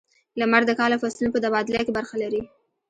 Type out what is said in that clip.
• لمر د کال او فصلونو په تبادله کې برخه لري.